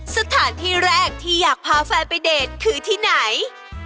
สถานที่แรกที่อยากพาแฟนไปเดทคือที่ไหน